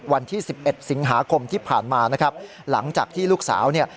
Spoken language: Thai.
วันที่๑๑สิงหาคมที่ผ่านมานะครับหลังจากที่ลูกสาวเนี่ย